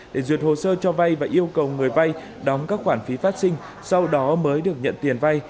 để duyệt hồ sơ cho vay và yêu cầu người vay đóng các khoản phí phát sinh sau đó mới được nhận tiền vay